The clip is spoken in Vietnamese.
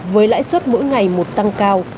với lãi suất mỗi ngày một tăng cao